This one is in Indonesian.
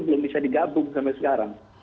belum bisa digabung sampai sekarang